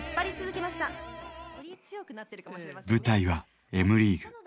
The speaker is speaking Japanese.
舞台は「Ｍリーグ」。